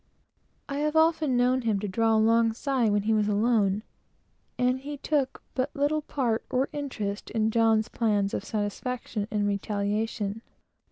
I have often known him to draw a long sigh when he was alone, and he took but little part or interest in John's plans of satisfaction and retaliation.